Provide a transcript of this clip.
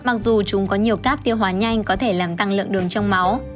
mặc dù chúng có nhiều cáp tiêu hóa nhanh có thể làm tăng lượng đường trong máu